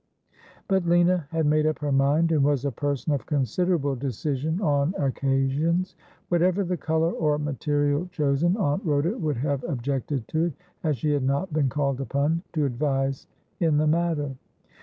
But Lina had made up her mind, and was a person of consider able decision on occasions. Whatever the colour or material chosen. Aunt Bhoda would have objected to it, as she had not been called upon to advise in the matter.